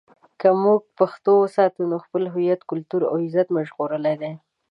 که موږ پښتو وساتو، نو خپل هویت، کلتور او عزت مو ژغورلی دی.